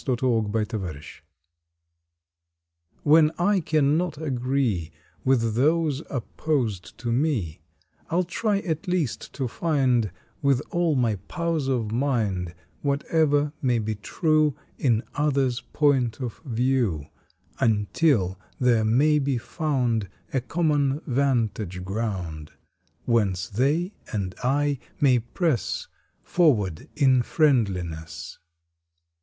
April Twenty fifth TOLERANCE [EN I cannot agree With those opposed to me I ll try at least to find With all my powers of mind Whatever may be true In others points of view, Until there may be found A common vantage ground Whence they and I may press Forward in friendliness.